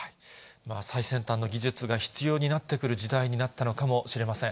最先端の技術が必要になってくる時代になったのかもしれません。